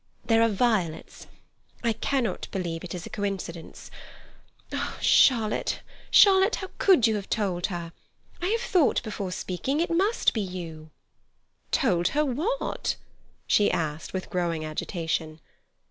"There are violets. I cannot believe it is a coincidence. Charlotte, Charlotte, how could you have told her? I have thought before speaking; it must be you." "Told her what?" she asked, with growing agitation.